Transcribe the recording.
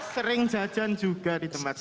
sering jajan juga di tempat saya